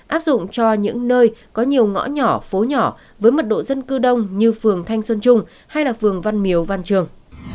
áp dụng cho những nơi có nhiều ngõ nhỏ phố nhỏ với mật độ dân cư đông như phường thanh xuân trung hay là phường văn miếu văn trường